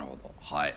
はい。